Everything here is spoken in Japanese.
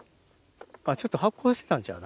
あっちょっと発酵してたんちゃう？